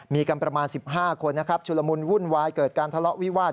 มีกันประมาณ๑๕คนนะครับชุลมุนวุ่นวายเกิดการทะเลาะวิวาส